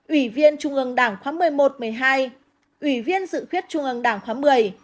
ủy viên trung ương đảng khóa một mươi một một mươi hai ủy viên dự khuyết trung ương đảng khóa một mươi